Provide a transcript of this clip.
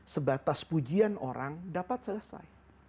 sebatas pujian orang dapat selesai